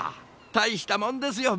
大したもんですよ